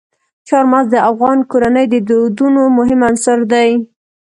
چار مغز د افغان کورنیو د دودونو مهم عنصر دی.